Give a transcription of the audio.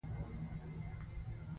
لویه خدایه ولې موټی